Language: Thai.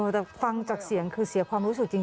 แต่ฟังจากเสียงคือเสียความรู้สึกจริง